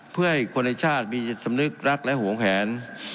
เพื่อให้คนในชาติมีจิตสำนึกรักและห่วงแหน